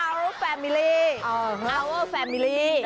อาวแฟมมิลลี่อาวเวอร์แฟมมิลลี่